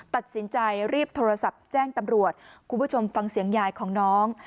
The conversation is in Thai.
ตัดสินใจรีบโทรศัพท์แจ้งตำรวจคุณผู้ชมฟังเสียงยายของน้อง